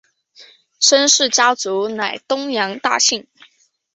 申氏家族乃东阳大姓。